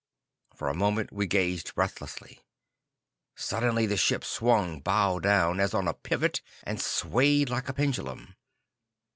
For a moment we gazed breathlessly. Suddenly the ship swung bow down, as on a pivot, and swayed like a pendulum.